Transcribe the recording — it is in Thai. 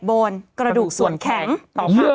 กรมป้องกันแล้วก็บรรเทาสาธารณภัยนะคะ